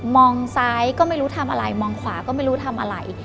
มองซ้ายก็ไม่รู้ทำอะไรมองขวาก็ไม่รู้ทำอะไร